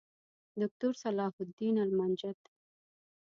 دوکتورصلاح الدین المنجد